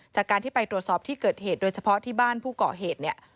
จากการที่ไปตรวจสอบที่เกิดเหตุโดยเฉพาะที่บ้านผู้ก่อเหตุเนี่ย